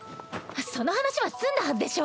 その話は済んだはずでしょ！